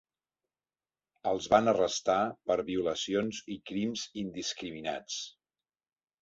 Els van arrestar per violacions i crims indiscriminats.